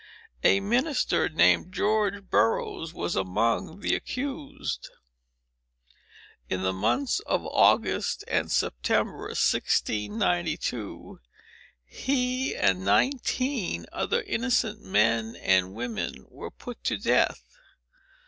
A minister, named George Burroughs, was among the accused. In the months of August and September, 1692, he, and nineteen other innocent men and women, were put to death.